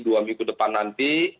dua minggu depan nanti